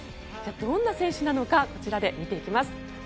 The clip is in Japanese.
どんな選手なのかこちらで見ていきます。